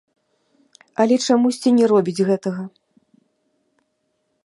Але чамусьці не робіць гэтага.